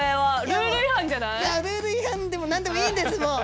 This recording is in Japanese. ルール違反でも何でもいいんですもう。